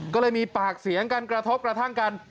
ก็เลยมีปากเสียงกันกระทบกระทั่งกัน